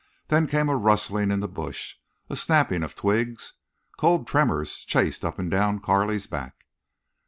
There came a rustling in the brush, a snapping of twigs. Cold tremors chased up and down Carley's back.